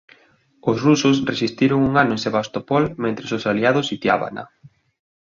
Os rusos resistiron un ano en Sebastopol mentres os aliados sitiábana.